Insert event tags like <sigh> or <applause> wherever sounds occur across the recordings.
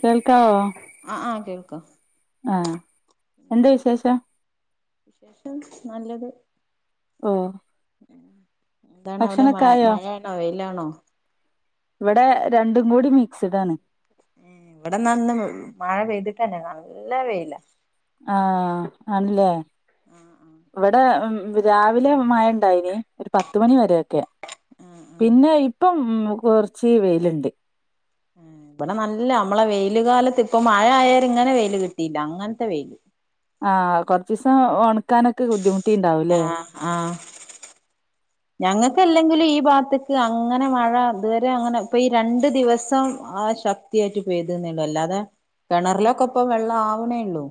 കേൾക്കാവോ ആ ആഹ എന്ത് വിശേഷം <unintelligible> നല്ലത് ആഹ എന്താണ അവിടെ മഴ മഴയാണോ വെയിലാണോ ഇവിടെ രണ്ടും കൂടി മിക്സിഡ് ആണ് ഉം ഇവിടെ നന്ന് മഴ പെയ്തിട്ടന്നെ നല്ല വേയ്ല ആഹ ആണല്ലേ ആഹ് ആഹ് ഇവിടെ രാവിലെ മഴ ഉണ്ടായിന് ഒരു പത്തുമണി വരെക്കെ ആഹ് ആഹ് പിന്നെ ഇപ്പം ഉം കുറച്ച് വെയിലുണ്ട് <inaudible> ഇവിടെ നല്ലാ നമ്മള് വെയില് കാലത്ത് ഇപ്പൊ മഴ ആയാ ഇങ്ങനെ വെയില് കിട്ടിയില്ല അങ്ങനത്തെ വെയില് ആഹ കൊറച്ച് ദിവസം ഓ ക്കാനൊക്കെ ബുദ്ധിമുട്ടിണ്ടാവൂലേ ആഹ് ല്ലെങ്കിലും ഈ ഭാഗത്തക്ക് അങ്ങനെ മഴ ഇതുവരെ അങ്ങനെ ഇപ്പ ഈ രണ്ടു ദിവസം ആ ശക്തി <unintelligible> പോയ്തന്നള്ളൂ അല്ലാതെ കിണറിലൊക്കെ ഇപ്പ വെള്ളം ആവണേള്ളൂ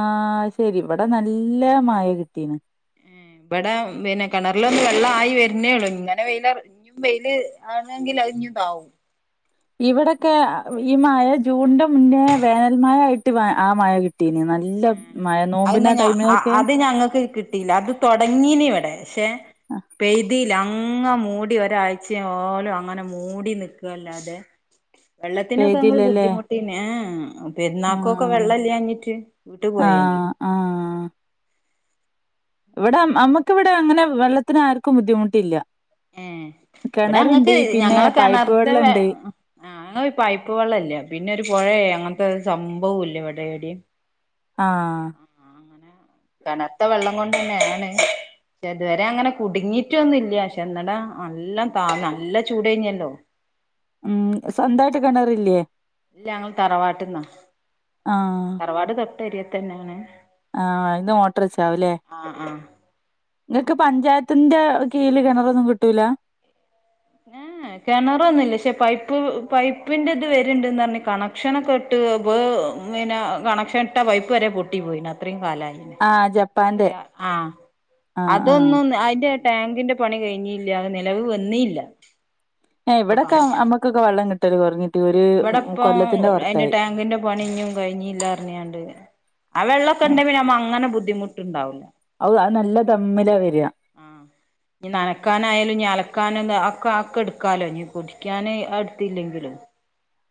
ആഹ ശരി ഇവിടെ നല്ല മായ കിട്ടീന്ന് ഇവിടെ പിന്നെ കിണറിലൊന്ന് വെള്ള് ആയി വരുന്നേള്ളു ഇങ്ങനെ <unintelligible> വെയില് ആണെങ്കിൽ കഴിഞ്ഞുണ്ടാവും ഇവിട്ടോക ഈ മഴ ജൂണിന്റെ മുന്നേ വേനൽ മഴ ആയിട്ട് ആ മഴ കിട്ടിണ് നല്ല <unintelligible> മഴ നോമ്പിന് ആ അ ടൈമിനൊക്കെ അത് ഞങ്ങൾക്ക് കി ട്ടീല അത് തുടങ്ങീനി ഇവിടെ പക്ഷെ പെയ്തില്ല അ അങ്ങ മൂടി ഒരാഴ്ചയോലും അങ്ങനെ മൂടി നിക്കുവല്ലാതെ വെള്ളത്തിനൊക്കെ നമ്മൾ പെയ്തില്ലല്ലേ ബുദ്ധിമുട്ടീനാ ഏ ഏ പെരുന്നാക്കൊക്കെ ആഹ് വെള്ളമില്ലാഞ്ഞിട്ട് വിട്ടു പോയേന് ആ ഇവിടെ നമ്മുക്കിവിടെ അങ്ങനെ വെള്ളത്തിന് ആർക്കും ബുദ്ധിമുട്ടില്ല ഏഹ് ഇവിടെ കിണറുണ്ട് ഞങ്ങക്ക് പിന്നെ ഞങ്ങള് പൈപ്പ് കിണർത്തെ വെ വെള്ളണ്ട് ഞങ്ങള് പൈപ്പ് വെള്ളല്ലെ പിന്നെ ഒരു പുഴയ അങ്ങനൊരു സംഭവം ഇല്ല ഇവിടെ ഏടെയും ആഹ് തണുത്ത വെള്ളം കൊണ്ട് തന്നെയ ആണ് പക്ഷെ അതുവരെ അങ്ങനെ കുടുങ്ങിട്ടൊന്നുമില്ല <unintelligible> നല്ല താ നല്ല ചൂടെനിയല്ലോ ഉം സ്വന്തായിട്ട് കണർ ഇല്ലിയേ ഇല്ല ഞങ്ങൾ തറവാട്ടിന്നാ തറവാട് തൊട്ട് അരിയത്ത് തന്നെയാണ് ആ അയിന്ന് മോട്ടർ വെച്ച ആവൂല്ലേ ആഹ് ആഹ് നിങ്ങക്ക് പഞ്ചായത്തിന്റെ കീഴില് കിണറൊന്നും കിട്ടൂല്ല? കിണർ ഒന്നുല്ല പക്ഷേ പൈപ്പ് പൈപ്പിൻറെ ഇത് വരുണ്ടെന്ന് പറഞ്ഞ് കണക്ഷനൊക്കെ ഇട്ട് ബ് പിന്നെ കണക്ഷൻ ഇട്ട പൈപ്പ് വരെ പൊട്ടി പോയിന് അത്രയും അല്ലാപിന്നെ ആഹ് ജപ്പാന്റെ ആ ആഹ് ആഹ് അതൊന്ന് അയിന്റെ ടാങ്കിന്റെ പണി കഴിഞ്ഞില്ല നിലവ് വന്നീല്ല അ ഇവിടൊക്കെ നമ്മുക്കൊക്കെ വെള്ളം കിട്ടും എ ഇവിടെപ്പം അതിന്റെ പുറത്തായി ടാങ്കിന്റെ പണിഞ്ഞും കഴിഞ്ഞില്ലാർഞ്ഞാണ്ട് ആ വെള്ളൊക്കെണ്ടെ നമ്മ അങ്ങന ബുദ്ധിമുട്ടുണ്ടാവില്ല ഔ അത് അത് നല്ല ദമ്മിലാ വരിക ആ നനക്കാനായാലും ഇനി അലക്കാനും അഒക്കെ ആക്കെ എടുക്കാലോ ഇനീ കുടിക്കാന് അടുത്തില്ലെങ്കിലും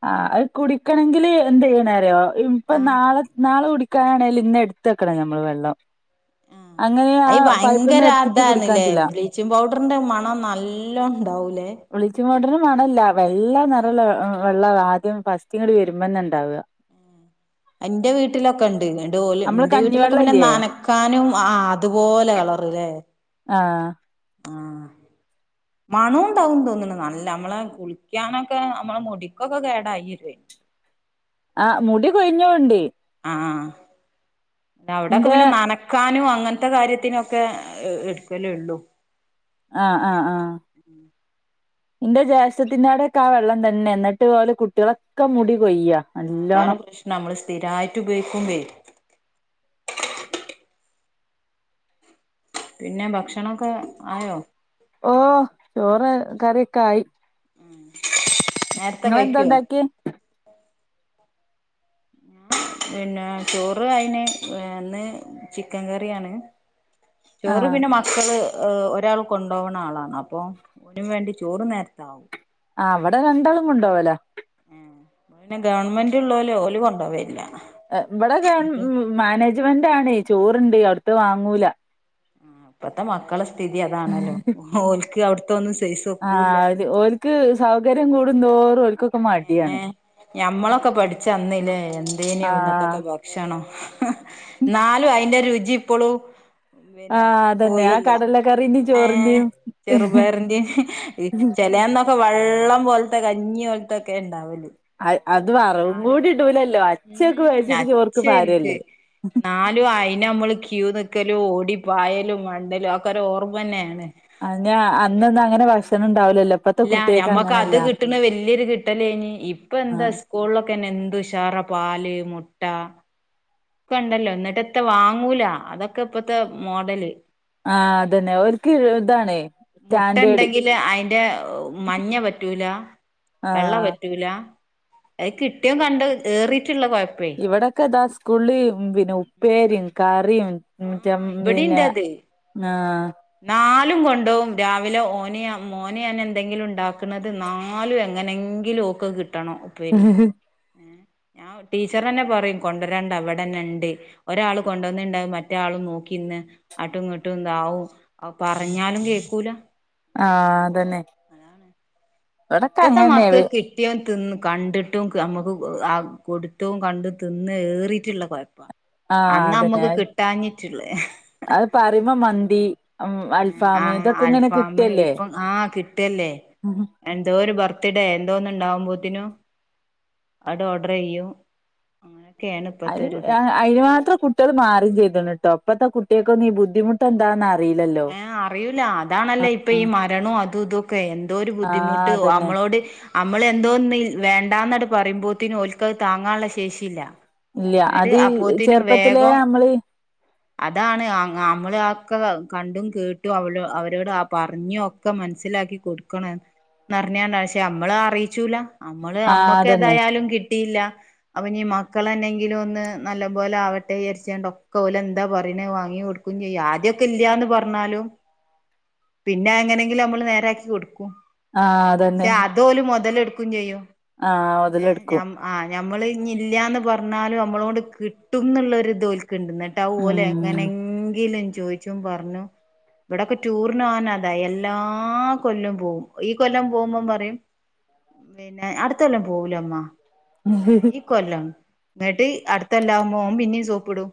ആ അത് കുടിക്കണെങ്കില് എന്ത് ചെയ്യണെന്നറിയോ ഇപ്പം ആഹ് നാളെ നാളെ കുടി ക്കാനാണെങ്കില് ഇന്ന് എടുത്ത് വെക്കണം നമ്മള് വെള്ളം ആഹ് അങ്ങനെ ആ അയി പൈപ്പിന്ന് ഭയങ്കര എടുത്തിട്ട് കുടിക്കാൻ അതാണ്ല്ലേ പറ്റൂല ബ്ലീച്ചിങ് പൗഡറിന്റെ മണം നല്ലോ ഉണ്ടാവൂലേ ബ്ലീച്ചിംഗ് പൗഡറ് മണല്ല വെള്ള നിറമുല്ല വെള്ളം ആദ്യം ഫസ്റ്റിങ്ങ് വരുമ്പോ തന്നെ ഉണ്ടാവുക എൻറെ വീട്ടിലൊക്കെ ഉണ്ട് ഇങ്ങ് ഡോല് നമ്മള് എന്റെ വീട്ടിലൊക്കെ പിന്നെ കഞ്ഞിവെള്ളല്ലേ നനക്കാനും ആ അതുപോലെ <unintelligible> ആ ആ മണവുംണ്ടകും തോന്നുണു നല്ല നമ്മളെ കുളിക്കാനൊക്കെ നമ്മളെ മുടിക്കൊക്കെ കേടായിരെ ആ മുടി കൊഴിഞ്ഞോണ്ടി ആ അവിടൊക്കെ പിന്നെ നനക്കാനും അങ്ങനത്തെ കാര്യത്തിനൊക്കെ എടുക്കലുള്ളൂ ആ ആ ആ എന്റെ ജേഷ്ഠത്തിന്റവിടൊക്കെ ആ വെള്ളം തന്നെ എന്നിട്ട് പലെ കുട്ടികൾടൊക്കെ മുടി കൊയ്യ ആ അതാണ് പ്രശ്നം നമ്മള് സ്ഥിരായിട്ട് ഉപയോഗിക്കുമ്പഴേ പിന്നെ ഭക്ഷണൊക്കെ ആയോ? ഓ ചോറ് കറിയൊക്കെ ആയി ഉം നിങ്ങളെന്താ ഉണ്ടാക്കിയേ? പിന്നെ ചോറ് അയിന് ഇന്ന് ചിക്കൻ കറിയിയാണ് ചോറ് ആഹ് പിന്നെ മക്കള് ഒരാൾ കൊണ്ടുപോണ ആളാണ് അപ്പൊ ഓന് വേണ്ടി ചോറ് നേരത്ത ആവും ആ അവിടെ രണ്ടാളും കൊണ്ടുപോവല്ലോ പിന്നെ ഗവൺമെന്റ് ഉള്ളോല് ഓല് കൊണ്ടു പോകല്ലില്ല ഇവിടെ ഗവൺ മാനേജ്മെന്റ് ആണ് ചോറുണ്ട് അവിടുത്തെ വാങ്ങൂല ആ ഇപ്പത്തെ മക്കള സ്ഥിതി അതാണല്ലോ ഓൽക്ക് അവ്ട്ത്തെന്നും ആ അത് ഓല്ക്ക് സൗകര്യം കൂടുന്തോറും ഓല്ക്കൊക്കെ മടിയാണ് ഏഹ് ഞമ്മളൊക്കെ പഠിച്ചന്നിലെ എന്തേനു ആഹ് അന്നത്തൊക്കെ ഭക്ഷണം എന്നാലും അയിന്റെറ രു ജിപ്പളും പിന്നെ ആഹ് അതന്നെ ആ പോയില്ല കടലക്കറിന്റിം ഏ ചോറിന്റിം ചെറുപയറിന്റെ അല്ല അന്നൊക്കെ വെള്ളം പോലത്തെ കഞ്ഞി പോലത്തെക്കെ ഉണ്ടാവല് അ അത് വറവും കൂടി ഇടൂലല്ലോ അച്ഛക്കെ ഉം കഴിച്ചിട്ട് ചൊറിക്ക് പാര്ല്ലേ പിന്നെ മ്മള് ക്യൂ നിൽക്കലും ഓടി പായലും മണ്ടലും ക്കെ ഒരോർമ അന്നെയാണ് അതിന് അന്നൊന്നും അങ്ങനെ ഭക്ഷണം ഉണ്ടാവൂലല്ലോ ഇപ്പത്തെ ഇല്ല കുട്ടിയക്ക് ഞമ്മക്ക് അത് അങ്ങനെയല്ല കിട്ട്ണ വല്യൊരു കിട്ടലാന്നി ഇപ്പ എന്താ ആഹ് സ്കൂളിലൊക്കെന്നെ എന്തു ഉഷാറ പാല് മുട്ട ക്ക്ണ്ടല്ലോ എന്നിട്ട്ത്താ വാങ്ങൂല അതൊക്കെ ഇപ്പത്തെ മോഡല് ആ അതന്നെ ഓല്ക്ക് ഇതാണേ മുട്ടണ്ടങ്കില് അയിന്റെ മഞ്ഞ പറ്റൂല വെള്ള ആഹ് പറ്റൂല അത് കിട്ടിയതും കണ്ടതും ഏറിട്ട് ഇവിടൊക്കെ ദാ സ്കൂളില് പിന്നെ ഉപ്പേരിം കറിം മറ്റെ ആഹ് പിന്നെ ഇവിടെണ്ടത് ആ ലും കൊണ്ടോവും രാവിലെ ഓന് ഞാൻ മോന് ഞാൻ എന്തെങ്കിലും ഉണ്ടാക്കുന്നത് നാലും എങ്ങനെങ്കിലും ഒക്കെ ക് കട്ടണം ഉപ്പേരി ഞാൻ ടീച്ചർ അന്നെ പറയും കൊണ്ട് രണ്ട അവിടന്നെണ്ട് ഒരാള് കൊണ്ടുവന്നിണ്ടാവും മറ്റെ ആള് നോ ക്കിന്ന് അട്ടും ഇങ്ങട്ടും ഇതാവും പറഞ്ഞാലും കേക്കൂല ആ അതന്നെ അതാണ് ഇവിടൊക്കെ ഇപ്പത്തെ അങ്ങനെന്നെ മക്കക്ക് കിട്ടിയോൻ തിന്ന് കണ്ടിട്ടും കേ നമുക്ക് അ കൊടുത്തും കണ്ട തിന്ന് ഏറിട്ടുള്ള കൊഴപ്പാ ആഹ് അന്ന് അതന്നെ നമ്മക്ക് കിട്ടാഞ്ഞിട്ട്ള്ളെ അത് പറയുമ്പോ മന്തി ഉം അൽഫാം ആ ഇതൊക്കെ ഇങ്ങനെ ആൽഫാമ് കിട്ടല്ലേ ഇപ്പം ആ കിട്ട്ല്ലേ എന്തോ ഒരു ബർത്ത്ഡേ എന്തോന്ന് ഉണ്ടാവുമ്പത്തിനും അട് ഓർഡറ്യ്യും അങ്ങനെ അത് അതിന് മാത്രം കുട്ടികള് മാറും ചെയ്തണ്ണ്ട്ടോ പ്പത്തെ കുട്ടിയക്കൊന്നും ഈ ബുദ്ധിമുട്ട് എന്താന്ന് അ ഏ അറിയൂല അതാണല്ലേ ഇപ്പ ഈ ആഹ് മരണോം അതും ഇതൊക്കെ എന്തോര് ആഹ് ബുദ്ധിമുട്ട് അതന്നെ അമ്മളോട് അമ്മള് എന്തോന്ന് വേണ്ടന്നട് പറയുമ്പോത്തിനും ഓൽക്കത് താങ്ങാനുള്ള ശേഷിയില്ല ഇല്ല നിട്ട് അത് അപ്പോത്തിനും ചെറുപ്പത്തിലേ വേഗം നമ്മള് അതാണ് അമ്മള് ആ കണ്ടും കേട്ടും അവലോ അവരോട് ആ പറഞ്ഞും ഒക്കെ മനസ്സിലാക്കി കൊടുക്കണം നറിഞ്ഞണ്ടാ പഷേ നമ്മള് അറിച്ചൂല അമ്മള് ആഹ് അതന്നെ അമ്മക്കേയാലും കിട്ടിയില്ല അവനി മ മക്കളെന്നങ്കിലും ഒന്ന് നല്ല പോലെ ആവട്ടെ വിയാരിച്ചാണ് ഒക്കെ ഓല് എന്താ പറയണെ വാങ്ങി കൊടുക്കും ചെയ്യും ആദ്യ ക്കെ ഇല്ലാന്ന് പറഞ്ഞാലും പിന്നെ എങ്ങനെങ്കിലും നമ്മള് നേരാക്കി കൊടുക്കും ആഹ് പഷേ അതന്നെ അത് ഓല് മൊതലെട് ക്കും ചെയ്യും ആഹ് മുതലെടുക്കും ആ ഞമ്മള് ഇനി ഇല്ലന്ന് പറഞാലും നമ്മളോട് കിട്ടുംന്നുള്ള ഒരു തോൽക്ക്‌ണ്ട് ന്നിട്ടാ ഓല് ഉം എങ്ങനെങ്കിലും ചോയിച്ചും പറഞ്ഞും ഇവ്ടൊക്കെ ടൂ ടൂറ്ന് പോവാൻ അതെ എല്ലാ കൊല്ലം പോവും ഈ കൊല്ലം പോകുമ്പം പറയും പിന്നെ അടുത്ത കൊല്ലം പോവൂലമ്മ ഈ കൊല്ലം എന്നിട്ട് അടുത്തല്ലാവകുമ്പോ ഓൻ പിന്നേം സോപ്പിടും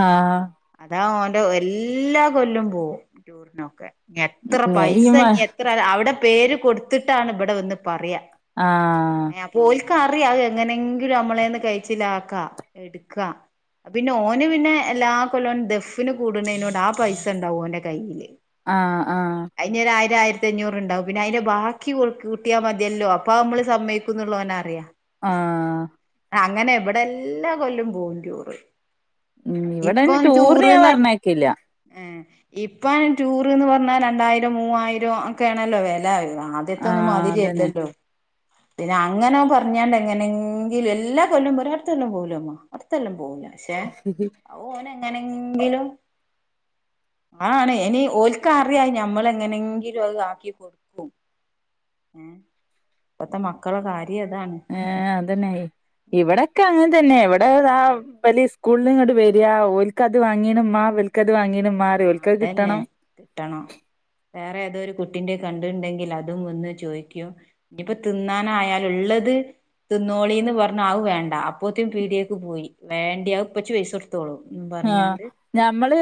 ആഹ് അതാ ഓന്റെ എല്ലാ കൊല്ലും പോവും ടൂറിനൊക്കെ എത്ര ഈ പൈസ മ ഞ്ഞി എത്ര അവ്ടെ പേര് കൊടുത്തിട്ടാണ് ഇബടെ വന്ന് പറയാ ആഹ് ക്ക്റിയാം അയ് എങ്ങനെങ്കിലും നമ്മളെന്ന് കയിച്ചിലാക്കാം എടുക്കാ പിന്നെ ഓന് പിന്നെ എല്ലാ കൊല്ലം ദഫിന് കൂടുന്നതിനോട് ആ പൈസ ഉണ്ടാവും ഓന- ആഹ ആഹ ഒരു ആയിരം ആയിരത്തി അഞ്ഞൂറ് ണ്ടാവും പിന്നെ അതിന്റെ ബാക്കി കൂട്ടിയാ മതിയല്ലോ അപ്പൊ നമ്മള് സമ്മയിക്കുന്നുള്ളവന് അറിയാം. ആഹ് അങ്ങനെ ഇവിടെ എല്ലാ കൊല്ലും പോവും ടൂർ. ഉം ഇപ്പൊ ഇവിടെന്നെ റ്റൂർ ടൂറിന് ഞാൻ ന പറഞ്ഞയക്കില്ല ഏഹ് ഇപ്പം ടൂറ്ന്ന് പറഞ്ഞാൽ രണ്ടായിരം മൂവായിരം ഒക്കെ ആണല്ലോ വില വര. ആദ്യത്തെ ഒന്നും ആഹ് അതന്നെ മാതിരിയല്ലല്ലോ? പിന്നെ അങ്ങനെ പറഞ്ഞാണ്ട് എങ്ങനെങ്കിലും എല്ലാ കൊല്ലം പറയും അടുത്തോല്ലം പോവൂല്ല അമ്മ അടുത്തെല്ലാം പോവൂല്ല. പക്ഷേ ഓന് എങ്ങനെങ്കിലും, ആണ് ഇനി ഓൽക്ക അറിയാ ഞമ്മള എങ്ങനെങ്കിലും അത് ആക്കി കൊടുക്കും. ഇപ്പത്തെ മക്കള കാര്യ ഏ അതന്നെയ ഉം ഇവിടെക്കെ അങ്ങനെ തന്നെയ ഇവിടെ ദാ ഉം സ്കൂളിൽ ഇങ്ങട്ട് വരാ ഓൽക്ക്ത് വാങ്ങീണുമ്മാ ഇവൽക്കത് വാങ്ങീണുമ്മാ - ആ അതന്നെ കിട്ടണം വേറെ ഏതോരു - കുട്ടിന്റെ കണ്ടുണ്ടെങ്കിൽ അതും ഒന്ന് ചോദിക്കും ഇനിയിപ്പോ തിന്നാനായാ ലുള്ളത് തിന്നോളിന്ന് പറഞ്ഞ അത് വേണ്ട അപ്പോത്തും പീടിയേക്ക് പോയി വേണ്ടിയപ്പച്ചി പൈസ കൊടുത്ത്- ആഹ ഞമ്മള്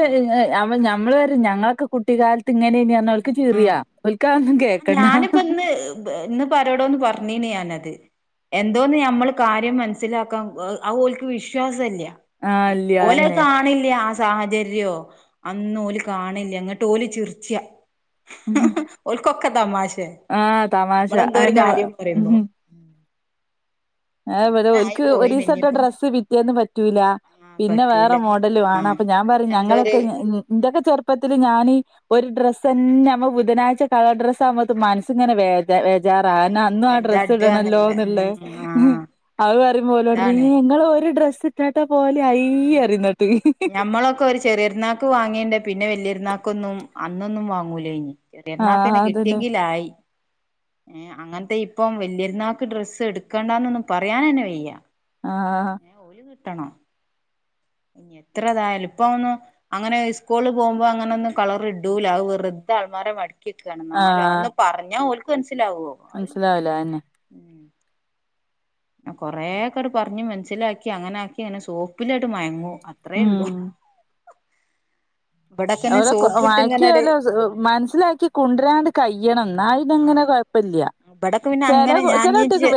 ഞമ്മള് വരെ ഞങ്ങളൊക്കെ കുട്ടികാലത്ത് ഇങ്ങനെ നു ആ ഞാനിപ്പ ഇന്ന് ഇന്നിപ്പരോടോ ഒന്ന് പറഞ്ഞീ ഞാനത് അത് എന്തോന്ന് നമ്മൾ കാര്യം മനസ്സിലാക്കാൻ ഓല്ക്ക് വിശ്വാസല്ല.. ആഹ് ഇല്ല്യ ഓലത് അതെന്നെ കാണ്ണില്ല സാഹചര്യോ അന്നും ഓലി കാണില്ല ങ്ങോട്ട് ഓലി ചിർച്ച ഉഹ ക്കൊക്കെ തമാശെ നമ്മളെന്തോ ഒരു അതെന്നെ കാര്യം പറയുമ്പോ- ഏലെ അങ്ങനെ ആയി ഓക്ക് പോയിന് ഒരൂസിട്ട ഇനിയിപ്പോ ഡ്രസ്സ് പിറ്റേന്ന് പറ്റൂല ആ പിന്നെ വേറെ പറ്റൂല മോഡല് ആ വേണം. അപ്പൊ ഞാൻ പിന്നെ പറയും എന്തോ ഒരു ഞങ്ങളൊക്കെ ഇന്റെക്കൊ ചെറുപ്പം - റുപ്പത്തില് ഞാനീ ഒരു ഡ്രസ്സ് തന്നെുമ്പോ ബുധനാഴ്ച്ച കളർ ഡ്രസ് ആകുമ്പോ ത് മനസ് ഇങ്ങനെ വേദ- ബജാറാ അന്നും ആ എന്താ ഡ്രസ്സ് ഇടാന്ന്ള്ള ഇടണല്ലോന്നുള്ളേ.. ഉം ആ അത് പറയുമ്പോലെോര് അതാണ് റയും ങ്ങള് ഒരു ഡ്രസ്സ് ഇട്ടാട്ട- പോവല് അയ്യ് ഉം പറിം ഇന്നട്ട് ഞമ്മളൊക്കെ ഒരു ചെറിയരുന്നാക്ക് വാങ്ങീണ്ട് പിന്നെ വല്യ യരുന്നാക്ക്- ക്കൊന്നും അന്നൊന്നും വാങ്ങൂലേയ്ൻ പെരുന്നാൾക്ക് ആഹ് ന്നെ അതന്നെ കിട്ടിയെങ്കില ആയി ഏ അങ്ങനത്തെ ഇപ്പം വല്യ രുന്നാക്ക് ഡ്രസ്സ് എടുക്കണ്ടാന്നൊന്നന്ന് പറയാനെ ന്നെ വെയ്യ. ആഹ് ട്ടണം ഇനി എത്രതായാലും ഇപ്പ ഒന്നും അങ്ങനെ സ്കൂളിൽ പോകുമ്പോ അങ്ങന ഒന്നും കളർ ഇടൂല അത് വെറ് അള്മാറെ മട ക്കാണ് ന്നാലോ ആഹ് ഒന്ന് പറഞ്ഞാ ഓല്ക്ക് മനസ്സിലാവോ അല്ല മനസ്സിലാവൂല അതെന്നെ ഉം കൊറെേക്കട് പറഞ്ഞ് മനസ്സിലാക്കി അങ്ങനെ ആക്കി അങ്ങനെ സോപ്പിലായിട്ട് മയങ്ങും അത്രയെ ഉം ഉള്ളു. ഓലക്കെ സോപ്പിട്ട് മയക്കി ഇങ്ങനെട് മനസ്സിലാക്കി കൊണ്ടരാണ്ട് കഴിയണന്ന്. എന്നാ ഇത്ങ്ങനെ കുഴപ്പല്ല ഇവിടോക്കെ പിന്നെ അങ്ങനെ ഞാൻ ജീച്ച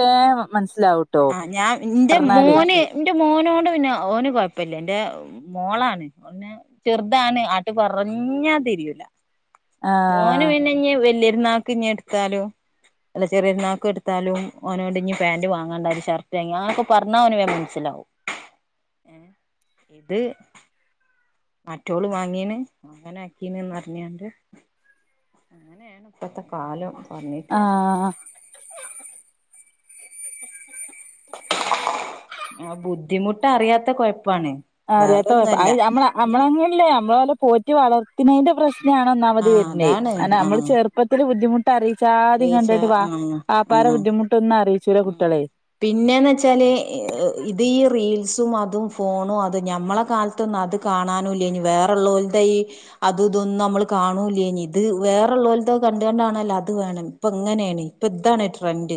മനസ്സിലാവൂട്ടോ ആ ഞാൻ എന്റെ പറഞ്ഞാല് മോന്- എന്റെ മോനോട് പിന്നെ ഓന് കുഴപ്പില്ല എന്റെ മോളാണ് നെ ചെറുതാണ് ആട്ട് പറ- ഞാ തിരൂല മോന് ആഹ് പിന്നെ ഇഞ് വല്യ രുന്നാക്ക് ഇഞ് എടുത്താലും. അല്ല ചെറൊരു ന്നാക്ക് എട്ത്താലും ഓനോട്‌ ഞ്ഞി പാന്റ് വാങ്ങാണ്ട ഒരു ഷർട്ട് വാങ്ങി പറഞ്ഞാ അവനൻ മനസ്സിലാകും. <unintelligible> <unintelligible> ഇത് മറ്റോള് വാങ്ങീണ് അങ്ങനെ ആക്കീനന്ന്റിഞ്ഞാണ്ട്. അങ്ങനെയാണ് ഇപ്പത്തെ കാലം പറഞ്ഞീട്ട് കാര്യല്ല. ആഹ് ആ ബുദ്ധിമുട്ട് അറിയാത്ത കൊയ അറിയാത്ത ഇനി മ്മളമ്മളങ്ങല്ലേ നമ്മളെ പോലെ പോറ്റി വളർത്തുന്നതിന്റെ പ്രശ്നാണ് ഒന്നാമതി ആഹ് വരുന്നത് അതാണ് കാരണം നമ്മള് ആഹ് ചെറുപ്പത്തില് ബുദ്ധിമുട്ട് ആദ്യം ആലോയിച്ച കണ്ടായിട്ട് ആഹ് വാപാര ആഹ് ബുദ്ധിമുട്ടൊന്നും അറിയിച്ചു ഉം പിന്നെന്ന് വെച്ചാല് ഇത് റീൽസും അതും ഫോണും അതും ഞമ്മളെ കാലത്തൊന്നും അത് കാണാനുംല്ല ഇനി വേറള്ളവരുടെ ഈ അത് ഇതൊന്നും നമ്മള് കാണും ഇല്ലേന്ന് ഇത് വേറ ലോലത് കണ്ട് കണ്ടാണ് അത് വേണം ഇപ്പ എങ്ങനെയാണ് ഇപ്പൊ ഇതാണ് ട്രെൻഡ്